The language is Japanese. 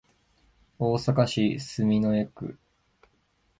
大阪市住之江区